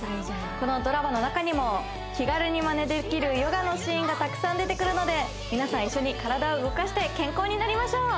このドラマの中にも気軽にマネできるヨガのシーンがたくさん出てくるので皆さん一緒に体を動かして健康になりましょう！